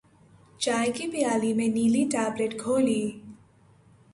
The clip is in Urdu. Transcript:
چائے کی پیالی میں نیلی ٹیبلٹ گھولی